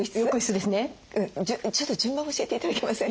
ちょっと順番教えて頂けません？